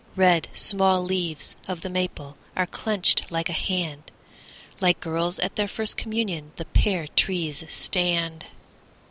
Red small leaves of the maple Are clenched like a hand, Like girls at their first communion The pear trees stand.